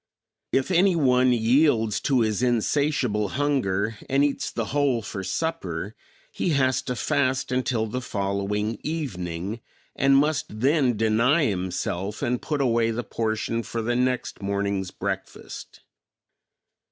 If any one yields to his insatiable hunger and eats the whole for supper he has to fast until the following evening and must then deny himself and put away the portion for the next morning's breakfast.